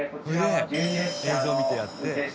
映像見てやって。